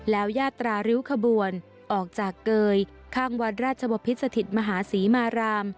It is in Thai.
แล้วยาตราริ้วขบวนออกจากเกยข้างวัดราชบพิษสถิตมหาศรีมาราม